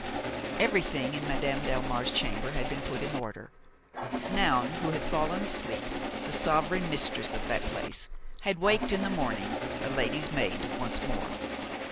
Everything in Madame Delmare's chamber had been put in order. Noun, who had fallen asleep the sovereign mistress of that place, had waked in the morning a lady's maid once more.